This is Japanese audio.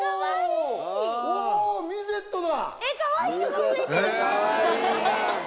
ミゼットだ。